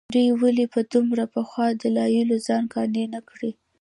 دوی ولې په دومره پخو دلایلو ځان قانع نه کړي.